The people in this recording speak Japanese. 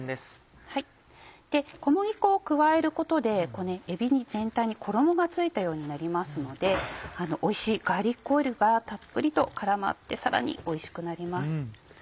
小麦粉を加えることでえび全体に衣が付いたようになりますのでおいしいガーリックオイルがたっぷりと絡まってさらにおいしくなります。